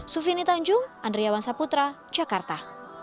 sufini tanjung andriawan saputra jakarta